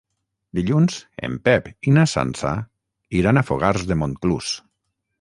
Dilluns en Pep i na Sança iran a Fogars de Montclús.